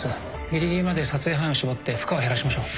ぎりぎりまで撮影範囲を絞って負荷を減らしましょう。